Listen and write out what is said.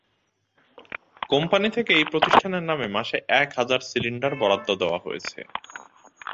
Company থেকে এই প্রতিষ্ঠানের নামে মাসে এক হাজার সিলিন্ডার বরাদ্দ দেওয়া হয়েছে।